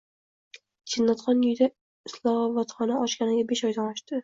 Jannatxon uyida islovotxona ochganiga besh oydan oshdi